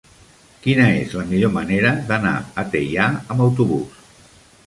Quina és la millor manera d'anar a Teià amb autobús?